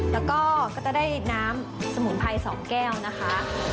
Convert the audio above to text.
แล้วก็ก็จะได้น้ำสมุนไพร๒แก้วนะคะ